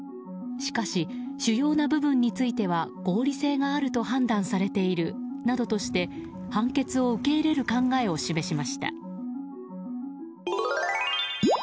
しかし主要な部分については合理性があると判断されているなどとして判決を受け入れる考えを示しました。